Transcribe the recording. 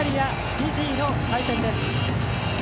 フィジーの対戦です。